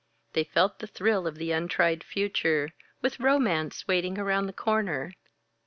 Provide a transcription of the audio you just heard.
They felt the thrill of the untried future, with Romance waiting around the corner.